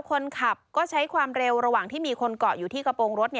คนขับก็ใช้ความเร็วระหว่างที่มีคนเกาะอยู่ที่กระโปรงรถ